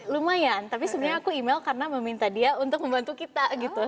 lumayan tapi sebenarnya aku email karena meminta dia untuk membantu kita gitu